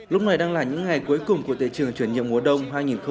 lúc này đang là những ngày cuối cùng của tế trường chuyển nhiệm mùa đông hai nghìn hai mươi